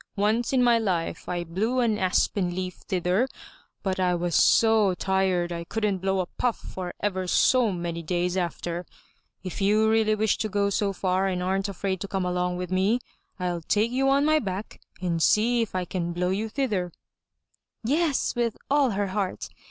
"Once in my life I blew an aspen leaf thither, but I was so tired I couldn't blow a puff for ever so many days after. If 404 THROUGH FAIRY HALLS you really wish to go so far and aren't afraid to come along with me, I'll take you on my back and see if I can blow you thither/' Yes, with all her heart!